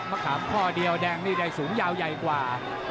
ขามข้อเดียวแดงนี่ได้สูงยาวใหญ่กว่า